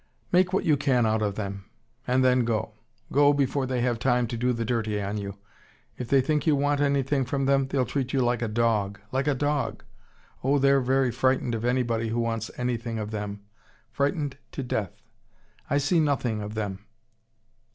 "Make what you can out of them, and then go. Go before they have time to do the dirty on you. If they think you want anything from them, they'll treat you like a dog, like a dog. Oh, they're very frightened of anybody who wants anything of them: frightened to death. I see nothing of them.